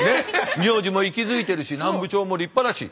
名字も息づいているし南部町も立派だし。